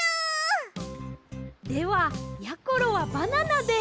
ではやころはバナナで。